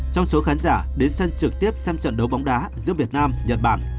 trong số khán giả đến xem trực tiếp xem trận đấu bóng đá giữa việt nam nhật bản